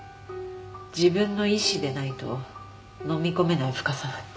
自分の意思でないと飲み込めない深さだった。